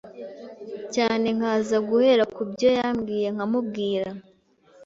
cyane nkaza guhera ku byo yambwiye nkamubwira